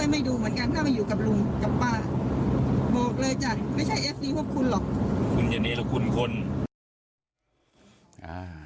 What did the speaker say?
ไม่ดูเหมือนกันถ้าไปอยู่กับแนนครองกับป้าเลยจ่ะไม่ใช่มีคนคน